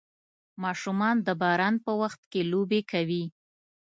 ماشومان د باران په وخت کې لوبې کوي.